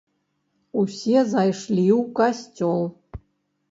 Усе зайшлі ў касцёл.